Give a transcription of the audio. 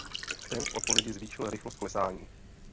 Ten v odpovědi zvýšil rychlost klesání.